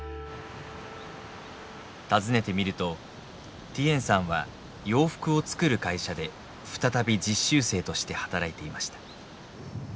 訪ねてみるとティエンさんは洋服を作る会社で再び実習生として働いていました。